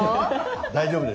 大丈夫ですか？